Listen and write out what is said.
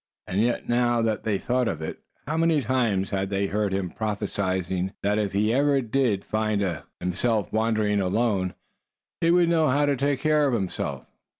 And yet, now that they thought of it, how many times had they heard him prophesying that if ever he did find himself wandering about alone, he would know how to take care of himself?